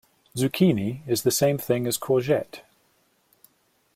Zucchini is the same thing as courgette